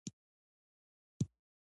يا ښځې يا دښځو قيمت.